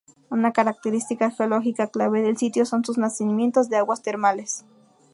Una característica geológica clave del sitio son sus nacimientos de aguas termales.